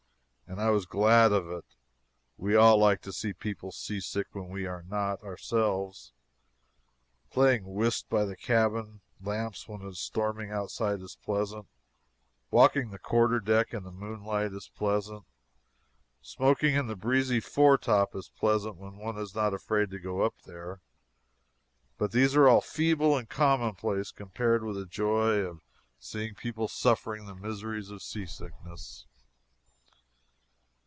And I was glad of it. We all like to see people seasick when we are not, ourselves. Playing whist by the cabin lamps when it is storming outside is pleasant; walking the quarterdeck in the moonlight is pleasant; smoking in the breezy foretop is pleasant when one is not afraid to go up there; but these are all feeble and commonplace compared with the joy of seeing people suffering the miseries of seasickness.